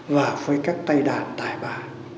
và với các tay đàn tài ba